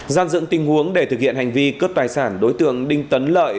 gian dẫn tình huống để thực hiện hành vi cướp tài sản đối tượng đinh tấn lợi